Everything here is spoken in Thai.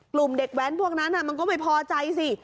กลุ่มเด็กแว้นพวกนั้นมันก็ไม่พอใจสิ